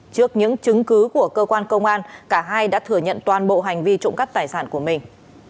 trước những chứng cứ của cơ quan công an cả hai đã thừa nhận toàn bộ hành vi trộm cắp tài sản của mình